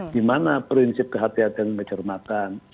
di mana prinsip kehatian dan kecermatan